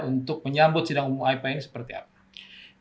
untuk menyambut sidang umum aipa ini seperti apa